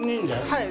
はい。